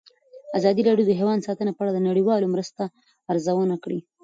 ازادي راډیو د حیوان ساتنه په اړه د نړیوالو مرستو ارزونه کړې.